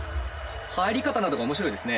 入り方などが面白いですね。